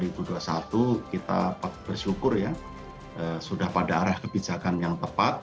kita bersyukur ya sudah pada arah kebijakan yang tepat